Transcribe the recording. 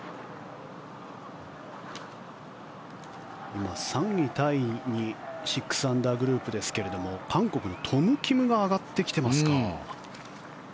今、３位タイに６アンダーグループですが韓国のトム・キムが上がってきてますか。